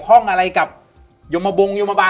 ข้องอะไรกับยมมาบ่งยมมาบานยงั้นนะไม่เกี่ยว